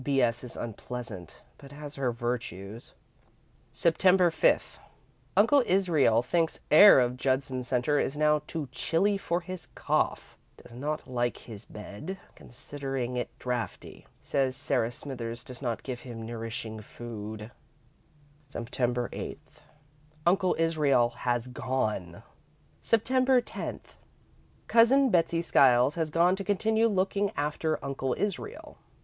B. S. is unpleasant, but has her virtues. "Sept. 5. Uncle Israel thinks air of Judson Centre is now too chilly for his cough. Does not like his bed, considering it drafty. Says Sarah Smithers does not give him nourishing food. "Sept. 8. Uncle Israel has gone. "Sept. 10. Cousin Betsey Skiles has gone to continue looking after Uncle Israel.